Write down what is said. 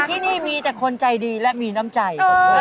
ที่นี่มีแต่คนใจดีและมีน้ำใจ